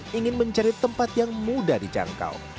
mengingin mencari tempat yang mudah dicangkau